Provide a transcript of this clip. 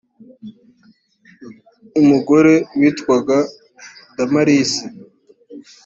umugore witwaga damarisi